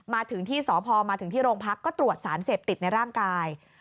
มาถึงที่สพมาถึงที่โรงพักก็ตรวจสารเสพติดในร่างกาย